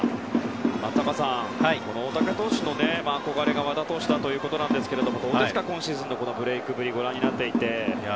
松坂さん、大竹投手の憧れが和田投手だということですがどうですか、今シーズンのブレークぶりをご覧になっていて。